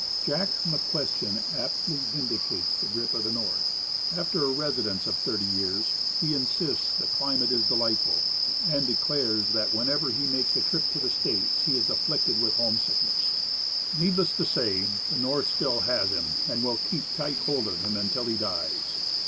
Jack McQuestion aptly vindicates the grip of the North. After a residence of thirty years he insists that the climate is delightful, and declares that whenever he makes a trip to the States he is afflicted with home sickness. Needless to say, the North still has him and will keep tight hold of him until he dies.